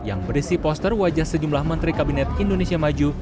yang berisi poster wajah sejumlah menteri kabinet indonesia maju